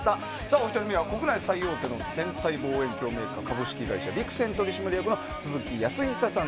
お一人目は国内最大の天体望遠鏡メーカー株式会社ビクセン都築泰久さん